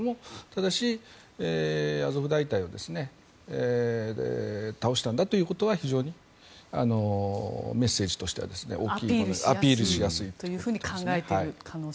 ただし、アゾフ大隊を倒したんだということは非常にメッセージとしてはアピールしやすいと思います。